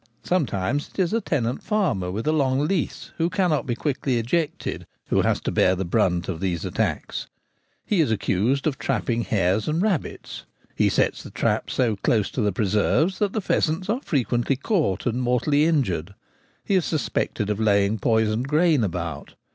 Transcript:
Sometimes it is a tenant farmer with a long lease, who cannot be quickly ejected, who has to bear the brunt of these attacks. He is accused of trapping hares and rabbits : he sets the traps so close to the preserves that the pheasants are frequently caught and mortally injured ; he is suspected of laying poisoned grain about.